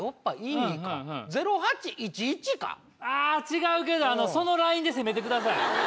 違うけどそのラインで攻めてください。